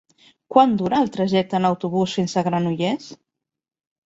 Quant dura el trajecte en autobús fins a Granollers?